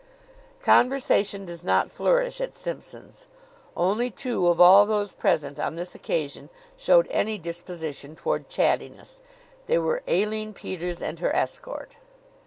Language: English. Conversation does not flourish at Simpson's. Only two of all those present on this occasion showed any disposition toward chattiness. They were Aline Peters and her escort.